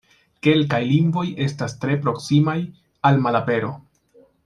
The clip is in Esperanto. Kelkaj lingvoj estas tre proksimaj al malapero.